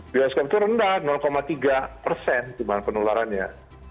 bioskop itu rendah tiga persen jumlah penularannya